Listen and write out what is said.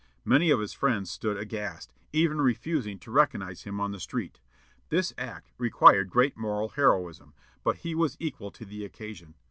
Many of his friends stood aghast, even refusing to recognize him on the street. This act required great moral heroism, but he was equal to the occasion.